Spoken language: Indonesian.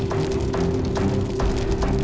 mas apaan tuh itu